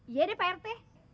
iya deh pak rt